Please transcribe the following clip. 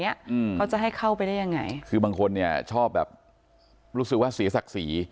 อืมเขาจะให้เข้าไปได้ยังไงคือบางคนเนี้ยชอบแบบรู้สึกว่าเสียศักดิ์ศรี